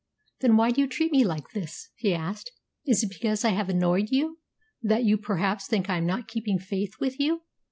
"Then why do you treat me like this?" he asked. "Is it because I have annoyed you, that you perhaps think I am not keeping faith with you?